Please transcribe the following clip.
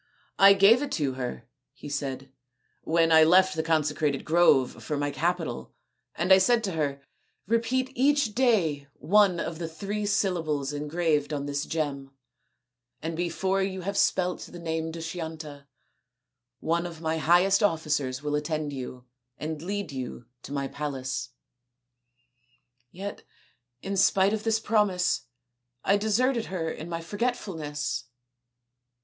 " I gave it to her," he said, " when I left the consecrated grove for my capital, and I said to her, ' Repeat each day one of the three syllables engraved on this gem, and before you have spelt the name Dushyanta, one of my highest officers will attend you and lead you to my palace.' Yet, in spite of this promise, I deserted her in my forgetfulness."